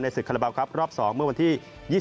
ในศึกคลบครับรอบ๒เมื่อวันที่๒๗